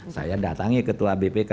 saya datang ke ketua bpk